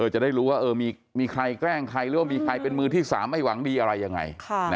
จะได้รู้ว่ามีใครแกล้งใครหรือว่ามีใครเป็นมือที่๓ไม่หวังดีอะไรยังไง